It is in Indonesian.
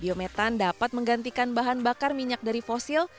biometan dapat menggantikan bahan bakar minyak dari fosil